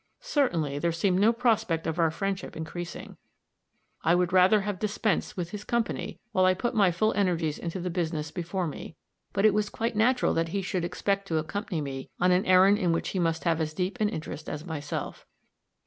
Certainly, there seemed no prospect of our friendship increasing. I would rather have dispensed with his company, while I put my full energies into the business before me; but it was quite natural that he should expect to accompany me on an errand in which he must have as deep an interest as myself.